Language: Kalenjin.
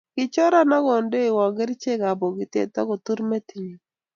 kichoran, ak kondenowon kerichekab bokitee, ak kotur metitnyu